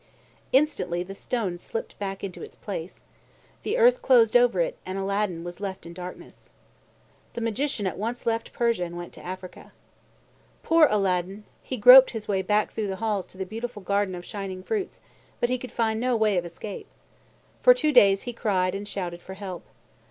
Instantly the stone slipped back into its place. The earth closed over it, and Aladdin was left in darkness. The Magician at once left Persia and went to Africa. Poor Aladdin! He groped his way back through the halls to the beautiful garden of shining fruits, but he could find no way of escape. For two days, he cried and shouted for help.